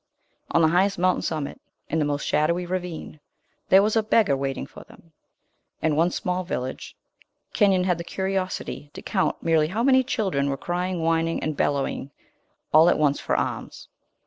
On the highest mountain summit in the most shadowy ravine there was a beggar waiting for them. In one small village, Kenyon had the curiosity to count merely how many children were crying, whining, and bellowing all at once for alms.